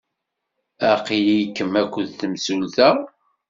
Aql-ikem akked temsulta?